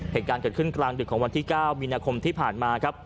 เหตุการณ์เกิดขึ้นกลางดึกของวันที่๙มีนาคมที่ผ่านมาครับ